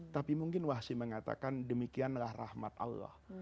tapi mungkin wahsyi mengatakan demikianlah rahmat allah